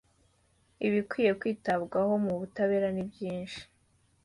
ibikwiye kwitabwaho mubutabera nibyishi.